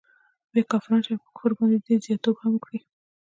بیا کافران سي او پر کفر باندي زیات توب هم وکړي.